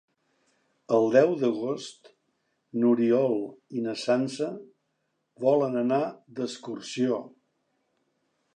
El deu d'agost n'Oriol i na Sança volen anar d'excursió.